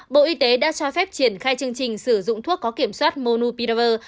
bộ y tế đã cho phép triển khai chương trình sử dụng thuốc có kiểm soát monupitaver